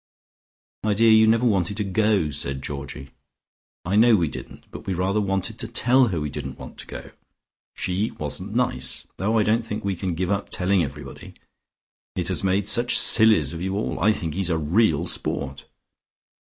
"My dear, you never wanted to go," said Georgie. "I know we didn't, but we rather wanted to tell her we didn't want to go. She wasn't nice. Oh, I don't think we can give up telling everybody. It has made such sillies of you all. I think he's a real sport."